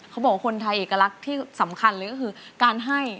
คนไทยเอกลักษณ์ที่สำคัญเลยก็คือการให้